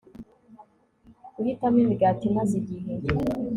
Guhitamo Imigati Imaze Igihe